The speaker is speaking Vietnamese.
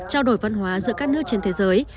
trao đổi văn hóa giữa các nước trên thế giới